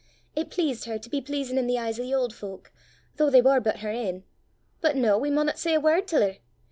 It pleased her to be pleasin' i' the eyes o' the auld fowk, though they war but her ain. But noo we maunna say a word til her.